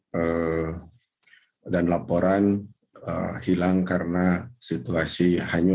masing masing orang orang yang sudahusu keedyuhannya